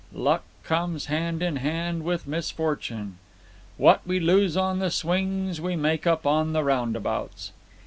Luck comes hand in hand with misfortune. What we lose on the swings we make up on the roundabouts.